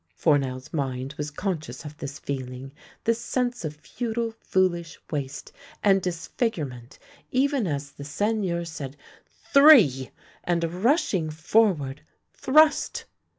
Fournel's mind was conscious of this feeling, this sense of futile, foolish waste and disfigurement, even as the Seigneur said " Three! " and, rushing forward, thrust.